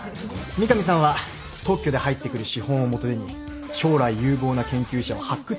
三上さんは特許で入ってくる資本を元手に将来有望な研究者を発掘しようとしてて。